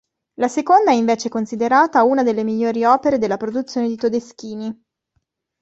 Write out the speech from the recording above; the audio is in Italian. La seconda è invece considerata una delle migliori opere della produzione di Todeschini.